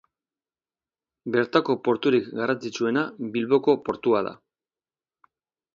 Bertako porturik garrantzitsuena Bilboko portua da.